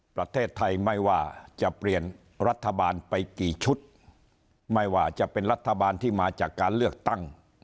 ประเทศไทยไม่ว่าจะเปลี่ยนรัฐบาลไปกี่ชุดไม่ว่าจะเป็นรัฐบาลที่มาจากการเลือกตั้ง